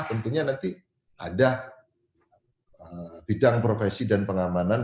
tentunya nanti ada bidang profesi dan pengamanan